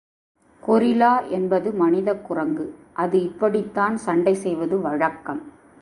Gorilla என்பது மனிதக் குரங்கு, அது இப்படித்தான் சண்டை செய்வது வழக்கம்.